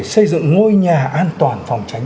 xây dựng ngôi nhà an toàn phòng tránh